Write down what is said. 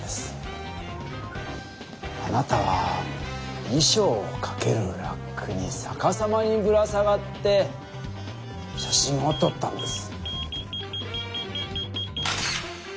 あなたはいしょうをかけるラックにさかさまにぶら下がって写真をとったんです。